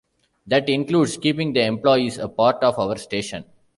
That includes keeping the employees a part of our station.